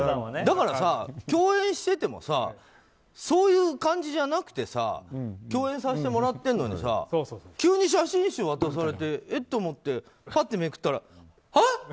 だから共演しててもさそういう感じじゃなくてさ共演させてもらってるのにさ急に写真集を渡されてえっ、と思ってめくったらはっ？